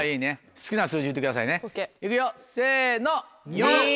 好きな数字言ってくださいねいくよせの。